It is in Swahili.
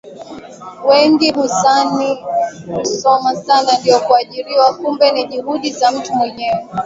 wengi huzani kusoma Sana ndio kuajiriwa kumbe ni juhudi za mtu mwenyewe